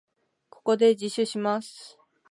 ここで自首します。